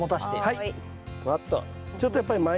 はい。